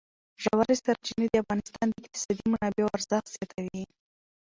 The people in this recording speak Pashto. ژورې سرچینې د افغانستان د اقتصادي منابعو ارزښت زیاتوي.